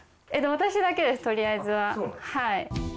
私だけです、とりあえずは。